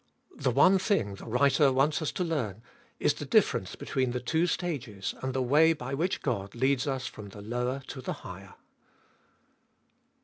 The one thing the writer wants us to learn is the difference between the two stages, and the way by which God leads us from the lower to the higher.